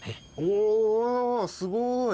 おおすごい。